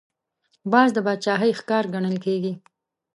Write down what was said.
باز د باچاهۍ ښکار ګڼل کېږي